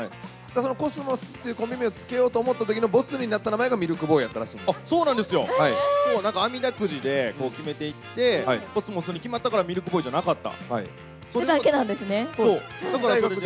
そのコスモスっていうコンビ名を付けようと思ったときのボツになった名前がミルクボーイやっそうなんですよ、あみだくじで決めていって、コスモスに決まったからミルクボーイじゃなかった。